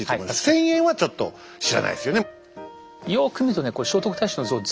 千円はちょっと知らないですよね。